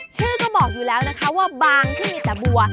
ชื่อก็บอกอยู่แล้วนะคะว่าบางที่มีแต่บัว